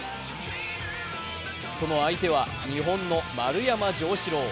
その相手は日本の丸山城志郎。